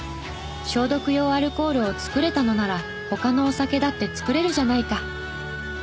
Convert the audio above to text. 消毒用アルコールを作れたのなら他のお酒だって造れるじゃないか。